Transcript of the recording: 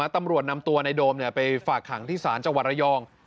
ตำรวจนำตัวในโดมไปฝากขังที่ศาลจังหวัดระยอง